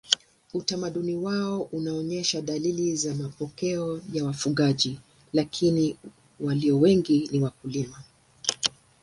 Utamaduni wao unaonyesha dalili za mapokeo ya wafugaji lakini walio wengi ni wakulima.